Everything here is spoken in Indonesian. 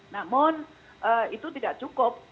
namun itu tidak cukup